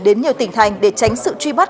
đến nhiều tỉnh thành để tránh sự truy bắt